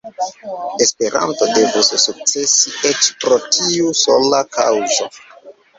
Esperanto devus sukcesi eĉ pro tiu sola kaŭzo.